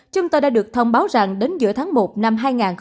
chúng ta đã được thông báo rằng đến giữa tháng một năm hai nghìn hai mươi hai